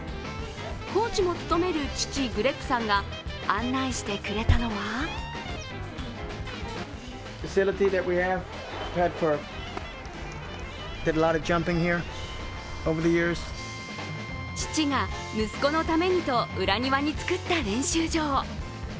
コーチも務める父・グレッグさんが案内してくれたのは父が息子のためにと裏庭に作った練習場。